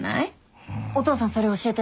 お父さんそれ教えて。